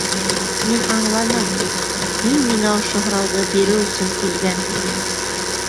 Мин аңланым, һин миңә ошо һорауҙы биреү өсөн килгәнһең!